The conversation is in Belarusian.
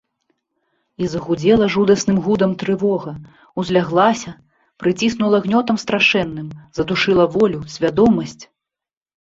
І загудзела жудасным гудам трывога, узляглася, прыціснула гнётам страшэнным, задушыла волю, свядомасць.